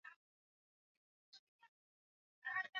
hewa zinaweza kuathiri kuenea kwa uchafuzi na kuathiri